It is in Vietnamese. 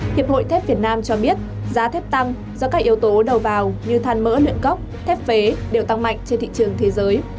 hiệp hội thép việt nam cho biết giá thép tăng do các yếu tố đầu vào như than mỡ luyện cốc thép phế đều tăng mạnh trên thị trường thế giới